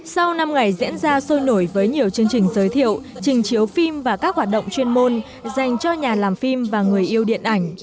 sau năm ngày diễn ra sôi nổi với nhiều chương trình giới thiệu trình chiếu phim và các hoạt động chuyên môn dành cho nhà làm phim và người yêu điện ảnh